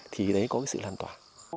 thì đấy có cái sự làn tỏa